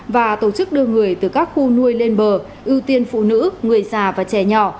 và tổ chức đưa người từ các khu nuôi lên bờ ưu tiên phụ nữ người già và trẻ nhỏ